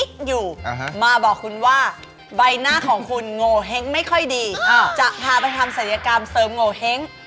จนแบบมันไม่ได้เหม็นเปรี้ยวอ่ะผมคอเลยอ่ะ